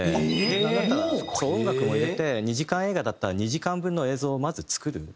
なんだったら音楽も入れて２時間映画だったら２時間分の映像をまず作る。